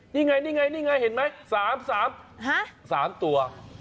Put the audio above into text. นี่ไงเห็นไหม๓สาป๓ตัว